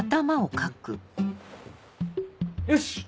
よし！